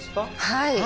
はい。